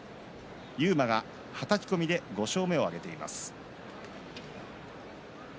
勇磨がはたき込みで５勝目を挙げています。